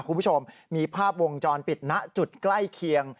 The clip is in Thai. คุณผู้ชมมีภาพวงจรปิดณจุดใกล้เคียง